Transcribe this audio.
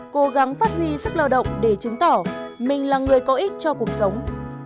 cố gắng phát huy sức lao động để chứng tỏ mình là người có ích cho cuộc sống